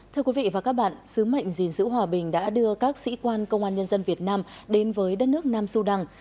thưa quý vị và các bạn sứ mệnh gìn giữ hòa bình đã đưa các sĩ quan công an nhân dân việt nam đến với đất nước nam sudan